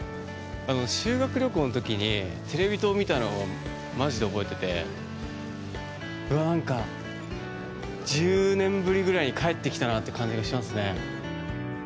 修学旅行のときに、テレビ塔を見たのマジで覚えてて、うわ、なんか１０年ぶりぐらいに帰ってきたなって感じがしますね。